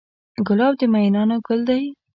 ګلاب د مینانو ګل دی.